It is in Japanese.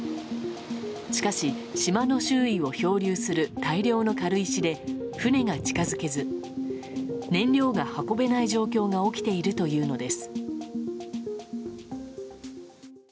しかし、島の周囲を漂流する大量の軽石で船が近づけず燃料が運べない状況が起きているというのです。